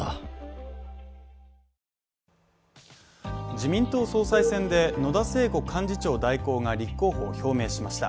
自民党総裁選で野田聖子幹事長代行が立候補を表明しました。